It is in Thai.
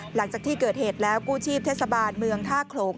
หลังจากที่เกิดเหตุแล้วกู้ชีพเทศบาลเมืองท่าโขลง